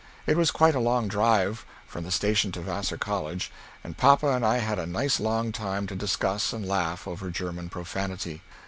It was quite a long drive from the station to Vasser College and papa and I had a nice long time to discuss and laugh over German profanity.